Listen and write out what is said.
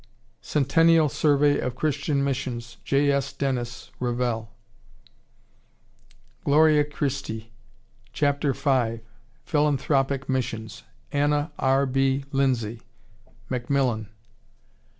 Centennial Survey of Christian Missions, J. S. Dennis, (Revell.) Gloria Christi, Chap. v, "Philanthropic Missions," Anna R. B. Lindsay, (Macmillan.)